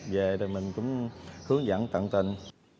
về thì mình cũng hướng dẫn tận tình